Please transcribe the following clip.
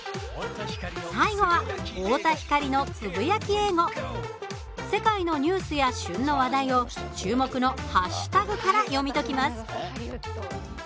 最後は世界のニュースや旬の話題を注目のハッシュタグから読み解きます。